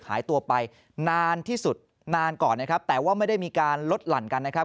หายตัวไปนานที่สุดนานก่อนนะครับแต่ว่าไม่ได้มีการลดหลั่นกันนะครับ